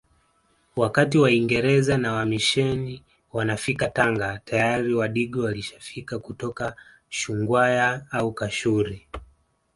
Wakati waingereza na wamisheni wanafika Tanga tayari wadigo walishafika kutoka Shungwaya au kashuri